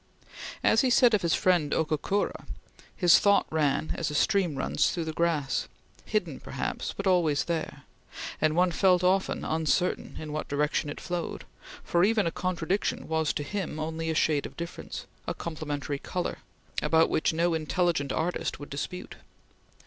As he said of his friend Okakura, his thought ran as a stream runs through grass, hidden perhaps but always there; and one felt often uncertain in what direction it flowed, for even a contradiction was to him only a shade of difference, a complementary color, about which no intelligent artist would dispute.